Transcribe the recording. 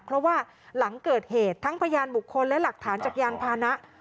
เพราะว่าหลังเกิดเหตุทั้งพยานบุคคลและหลักฐานจากยานพานะ